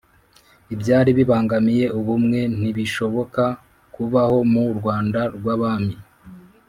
Ibyari bibangamiye ubumwe Ntibishoboka kubaho mu Rwanda rw'abami,